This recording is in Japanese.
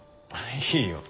いいよ。